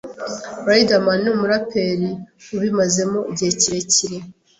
Riderman ni umuraperi ubimazemo igihe kirekire